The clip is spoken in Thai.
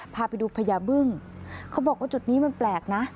พาไปดูพญาบึ้งเขาบอกว่าจุดนี้มันแปลกนะ